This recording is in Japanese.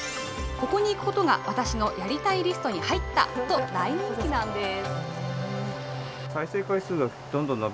ここに行くことが私のやりたいリストに入ったと、大人気なんです。